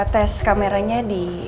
tes kameranya di